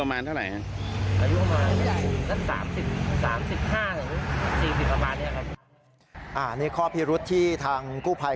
นี่ข้อพิรุษที่ทางกู้ภัย